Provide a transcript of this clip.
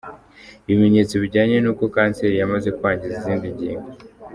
Ibimenyetso bijyana n’uko kanseri yamaze kwangiza izindi ngingo.